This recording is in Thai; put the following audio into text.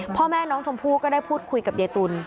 พ่อแม่น้องชมพู่ก็ได้พูดคุยกับยายตุล